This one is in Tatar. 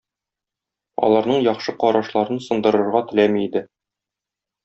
Аларның яхшы карашларын сындырырга теләми иде.